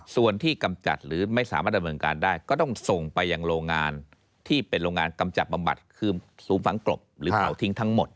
ส่วนที่กำจัดหรือไม่สามารถดำเนินการได้ก็ต้องส่งไปยังโรงงานที่เป็นโรงงานกำจัดบำบัดคือศูนย์ฝังกลบหรือเผาทิ้งทั้งหมด